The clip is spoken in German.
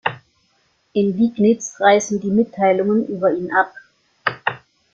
In Liegnitz reißen die Mitteilungen über ihn ab.